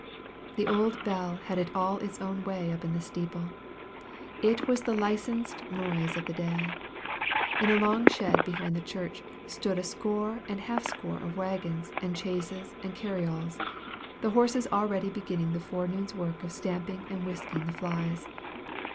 The old bell had it all its own way up in the steeple. It was the licensed noise of the day. In a long shed behind the church stood a score and half score of wagons and chaises and carryalls, the horses already beginning the forenoon's work of stamping and whisking the flies.